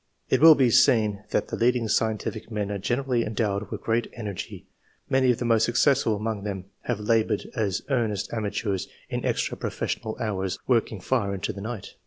It will be seen that the leading scientific men are generally endowed with great energy; many of the most successful among them have laboured as earnest amateurs in extra professional hours, working far into the night.